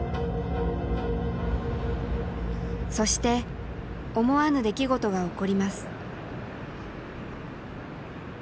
そして思わぬ出来事が起こります。